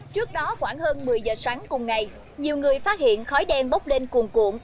trước đó khoảng hơn một mươi giờ sáng cùng ngày nhiều người phát hiện khói đen bốc lên cuồng cuộn